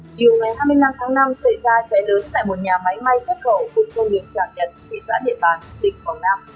chiều ngày hai mươi năm tháng năm xảy ra cháy lớn tại một nhà máy máy xuất khẩu vùng phương biển trạng nhật thị xã điện bản tỉnh quảng nam